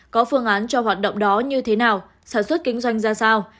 có phương án cho hoạt động đó như thế nào sản xuất kinh doanh ra sao